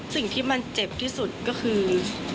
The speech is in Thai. สิ่งที่มันเจ็บที่สุดก็คือ